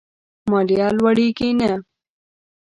ماليه لوړېږي نه.